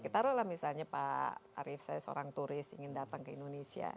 taruhlah misalnya pak arief saya seorang turis ingin datang ke indonesia